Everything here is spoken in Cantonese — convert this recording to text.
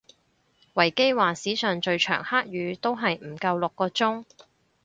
維基話史上最長黑雨都係唔夠六個鐘